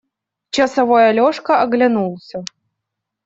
Часовой Алешка оглянулся.